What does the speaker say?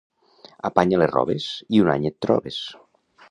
Apanya les robes i un any et trobes.